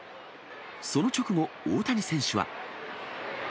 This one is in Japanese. その直後、大谷選手は。